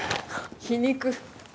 皮肉？